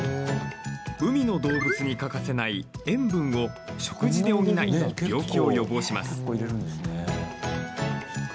海の動物に欠かせない塩分を食事で補い、病気を予防します。